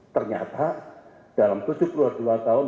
ternyata dalam tujuh puluh dua tahun